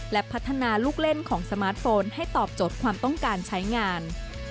และพัฒนาลูกเล่นของสมาร์ทโฟนให้ตอบโจทย์ความต้องการใช้งาน